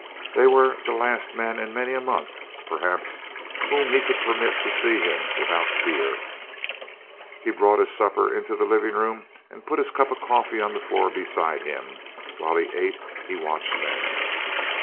They were the last men in many a month, perhaps, whom he could permit to see him without a fear. He brought his supper into the living room and put his cup of coffee on the floor beside him. While he ate he watched them.